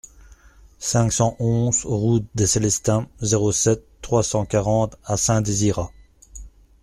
cinq cent onze route des Célestins, zéro sept, trois cent quarante à Saint-Désirat